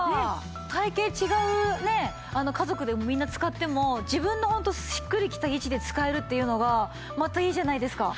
体形違うね家族でみんな使っても自分のホントしっくりきた位置で使えるっていうのがまたいいじゃないですか。